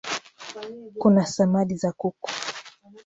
Kuna samadi za kuku